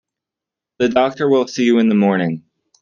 The doctor will see you in the morning.